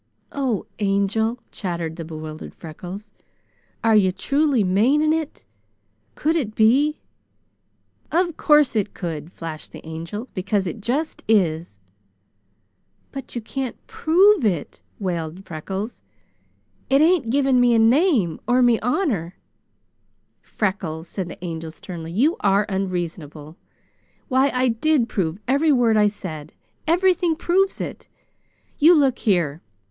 "Oh, Angel!" chattered the bewildered Freckles, "are you truly maning it? Could it be?" "Of course it could," flashed the Angel, "because it just is!" "But you can't prove it," wailed Freckles. "It ain't giving me a name, or me honor!" "Freckles," said the Angel sternly, "you are unreasonable! Why, I did prove every word I said! Everything proves it! You look here!